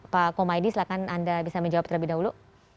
pak komaydi silahkan anda bisa menjawab terlebih dahulu